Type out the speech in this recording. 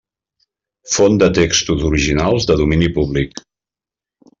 Font de textos originals de domini públic.